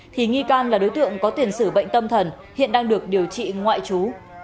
thì nghi can là đối tượng có tuyển sử bệnh tâm thần hiện đang được điều trị ngoại chú